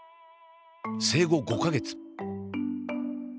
生後５か月。